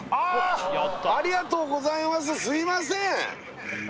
すいません